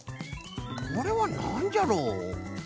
これはなんじゃろう？